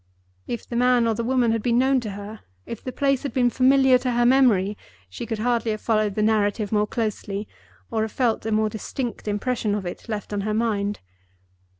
If the man or the woman had been known to her, if the place had been familiar to her memory, she could hardly have followed the narrative more closely, or have felt a more distinct impression of it left on her mind.